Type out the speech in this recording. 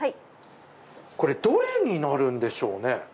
これどれになるんでしょうね？